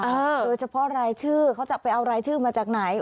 โดยเฉพาะรายชื่อเขาจะไปเอารายชื่อมาจากไหน